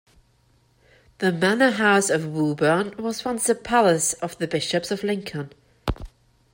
The manor house of Wooburn was once a palace of the Bishops of Lincoln.